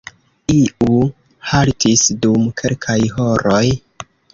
Iu haltis dum kelkaj horoj.